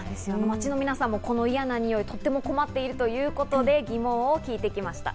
皆さん、この嫌なニオイに困っているということで疑問を聞いてきました。